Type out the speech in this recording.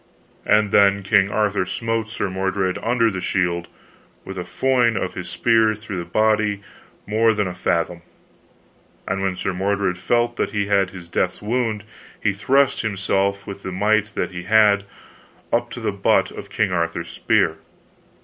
And then King Arthur smote Sir Mordred under the shield, with a foin of his spear throughout the body more than a fathom. And when Sir Mordred felt that he had his death's wound, he thrust himself, with the might that he had, up to the butt of King Arthur's spear.